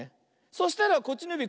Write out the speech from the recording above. そしたらこっちのゆび